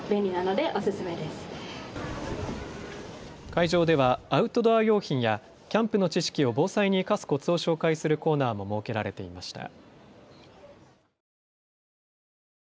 会場ではアウトドア用品やキャンプの知識を防災に生かすコツを紹介するコーナーも設けられていました。